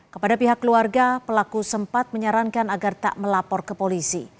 kepada pihak keluarga pelaku sempat menyarankan agar tak melapor ke polisi